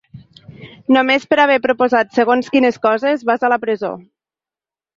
Només per haver proposat segons quines coses vas a la presó.